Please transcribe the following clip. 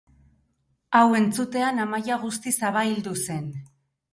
Hau entzutean Amaia guztiz abaildu zen.